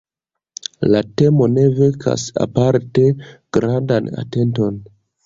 La temo ne vekas aparte grandan atenton.